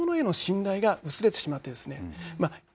そのものへの信頼が薄れてしまってですね